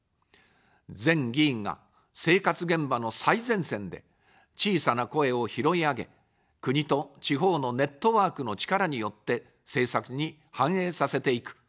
全議員が、生活現場の最前線で小さな声を拾い上げ、国と地方のネットワークの力によって政策に反映させていく。